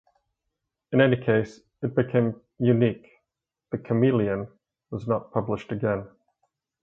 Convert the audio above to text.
In any case, it became unique: "The Chameleon" was not published again.